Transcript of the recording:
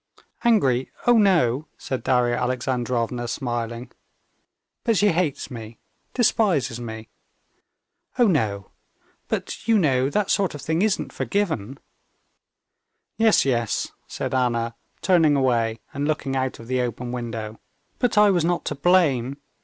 "Angry? Oh, no!" said Darya Alexandrovna, smiling. "But she hates me, despises me?" "Oh, no! But you know that sort of thing isn't forgiven." "Yes, yes," said Anna, turning away and looking out of the open window. "But I was not to blame.